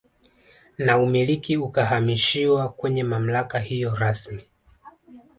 Na umiliki ukahamishiwa kwenye mamlaka hiyo rasmi